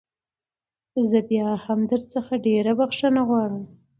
زه بيا هم درڅخه ډېره بخښنه غواړم.